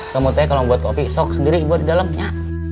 kamu taunya kalo buat kopi sok sendiri buat di dalemnya